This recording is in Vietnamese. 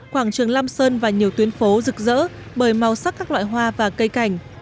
quảng trường lam sơn và nhiều tuyến phố rực rỡ bởi màu sắc các loại hoa và cây cảnh